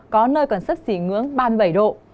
có nơi còn sấp xỉ ngưỡng ba mươi bảy độ